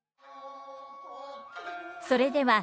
それでは「